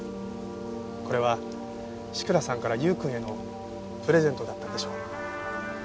これは志倉さんから優くんへのプレゼントだったんでしょう。